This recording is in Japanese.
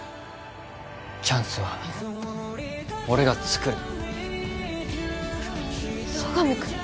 チャンスは俺が作る佐神くん